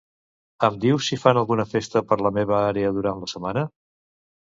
Em dius si fan alguna festa per la meva àrea durant la setmana?